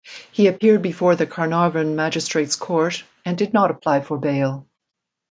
He appeared before the Carnarvon Magistrates Court and did not apply for bail.